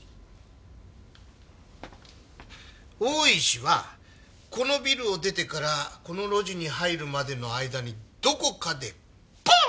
大石はこのビルを出てからこの路地に入るまでの間にどこかでポン！